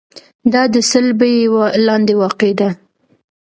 دا د صلبیې لاندې واقع ده.